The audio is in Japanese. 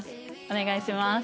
お願いします。